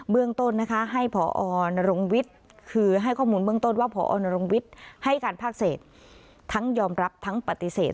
เรื่องต้นนะคะให้พอนรงวิทย์คือให้ข้อมูลเบื้องต้นว่าพอนรงวิทย์ให้การภาคเศษทั้งยอมรับทั้งปฏิเสธ